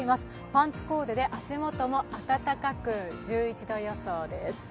パンツコーで足元も暖かく、１１度予想です。